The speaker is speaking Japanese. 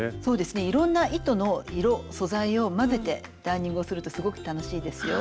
いろんな糸の色素材を交ぜてダーニングをするとすごく楽しいですよ。